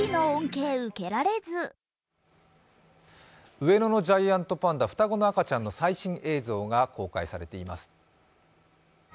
上野のジャイアントパンダ、双子の赤ちゃんの最新映像が公開されています。